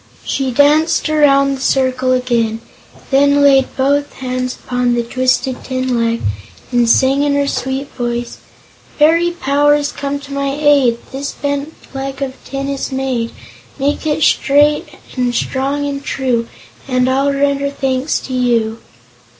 She danced around the circle again, and then laid both hands upon the twisted tin leg and sang in her sweet voice: "Fairy Powers, come to my aid! This bent leg of tin is made; Make it straight and strong and true, And I'll render thanks to you."